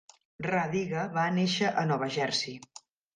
Rah Digga va néixer a Nova Jersey.